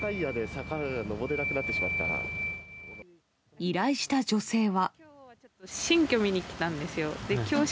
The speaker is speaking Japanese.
依頼した女性は。